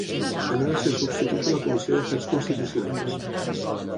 També va ser substitut de la Comissió d'Afers Constitucionals.